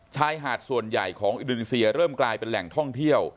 ชายหาดส่วนใหญ่ของอินโดนีเซียเริ่มกลายเป็นแหล่งท่องเที่ยว